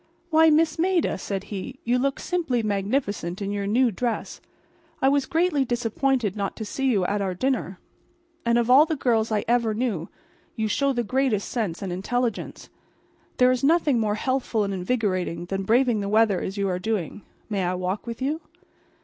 "Why, Miss Maida," said he, "you look simply magnificent in your new dress. I was greatly disappointed not to see you at our dinner. And of all the girls I ever knew, you show the greatest sense and intelligence. There is nothing more healthful and invigorating than braving the weather as you are doing. May I walk with you?"